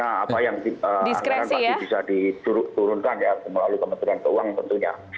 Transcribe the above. apa yang anggaran tadi bisa diturunkan ya melalui kementerian keuangan